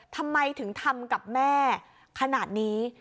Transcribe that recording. ทำไมถึงทำกับแม่ขนาดนี้